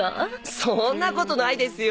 そんなことないですよ！